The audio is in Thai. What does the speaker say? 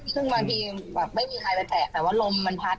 ซึ่งบางทีแบบไม่มีใครไปแตะแต่ว่าลมมันพัด